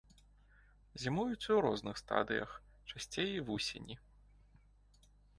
Зімуюць у розных стадыях, часцей вусені.